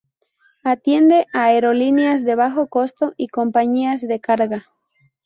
Atiende a aerolíneas de bajo costo y compañías de carga.